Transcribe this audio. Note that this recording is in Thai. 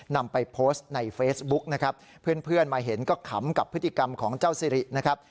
นำไปโพสต์ในเฟซบุ๊กนะครับเพื่อนมาเห็นก็ขำกับพฤติกรรมของเจ้าสิรินะครับ